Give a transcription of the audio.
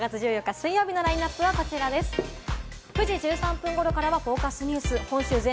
６月１４日水曜日のラインナップはこちらです。